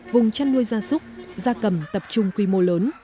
vùng chăn nuôi gia súc gia cầm tập trung quy mô lớn